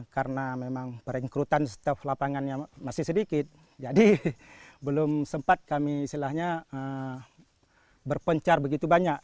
karena memang perenkrutan staf lapangannya masih sedikit jadi belum sempat kami berpencar begitu banyak